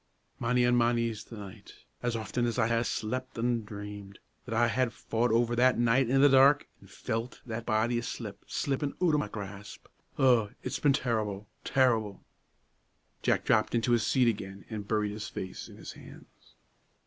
"Mony an' mony's the nicht, as often as I ha' slept an' dreamed, that I ha' fought over that fight i' the dark, an' felt that body a slip, slippin' oot o' ma grasp. Oh, it's been tarrible, tarrible!" Jack dropped into his seat again and buried his face in his hands.